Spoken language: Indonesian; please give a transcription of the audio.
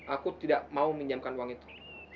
aku tidak mau menjamkan uang itu